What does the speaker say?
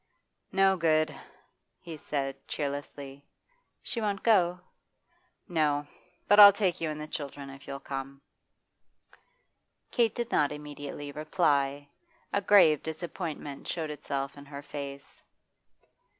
'No good,' he said cheerlessly. 'She won't go?' 'No. But I'll take you and the children, if you'll come.' Kate did not immediately reply. A grave disappointment showed itself in her face.